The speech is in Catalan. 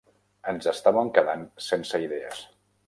Ens estàvem quedant sense idees.